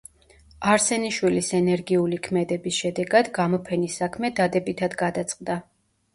არსენიშვილის ენერგიული ქმედების შედეგად გამოფენის საქმე დადებითად გადაწყდა.